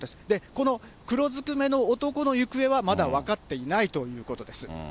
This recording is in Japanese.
この黒ずくめの男の行方はまだ分かっていないということです。